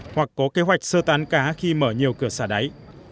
hoặc có kế hoạch sơ tán cá khi mở nhiều cửa xả đáy